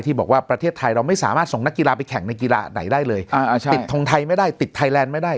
บอกว่าประเทศไทยเราไม่สามารถส่งนักกีฬาไปแข่งในกีฬาไหนได้เลยติดทงไทยไม่ได้ติดไทยแลนด์ไม่ได้